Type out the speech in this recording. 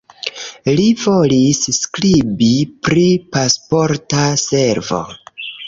Li volis skribi pri Pasporta Servo.